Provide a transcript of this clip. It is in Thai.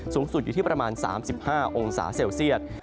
สูงสุดอยู่ที่ประมาณ๓๕องศาเซลเซียต